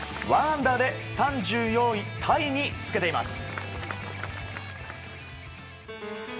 １アンダーで３４位タイにつけています。